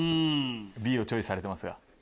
Ｂをチョイスされてます。